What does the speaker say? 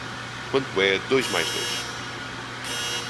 Quanto é dois mais dois?